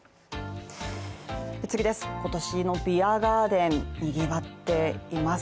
今年のビアガーデン、にぎわっています。